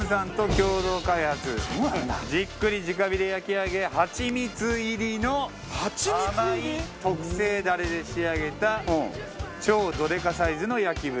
じっくり直火で焼き上げはちみつ入りの甘い特製ダレで仕上げた超ドデカサイズの焼豚。